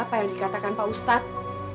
apa yang dikatakan pak ustadz